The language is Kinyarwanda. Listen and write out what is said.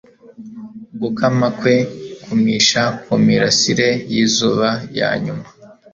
Gukama kwe kumisha kumirasire yizuba ya nyuma